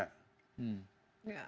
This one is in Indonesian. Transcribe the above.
nah ini dengan sendirinya